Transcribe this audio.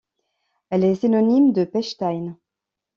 Elle est synonyme de Pechstein.